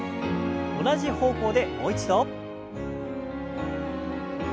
同じ方向でもう一度。